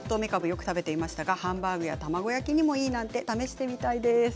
よく食べていましたがハンバーグや卵焼きでもいいなんて試してみたいです。